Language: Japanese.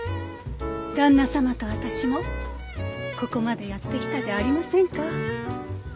旦那様と私もここまでやってきたじゃありませんか。